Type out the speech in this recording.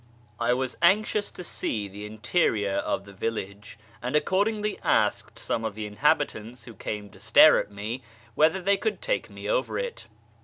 I was anxious to see the interior of the village, and ac cordingly asked some of the inhabitants who came to stare at me whether they could take me over it.